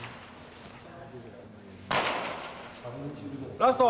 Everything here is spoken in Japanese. ラスト！